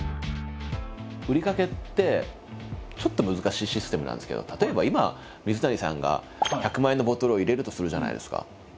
売り掛けってちょっと難しいシステムなんですけど例えば今水谷さんが１００万円のボトルを入れるとするじゃないですか。